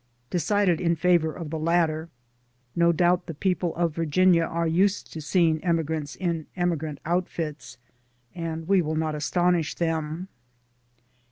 Decided in favor of the latter. No doubt the people of Virginia are used to seeing emigrants in emigrant outfits, and we will not astonish them.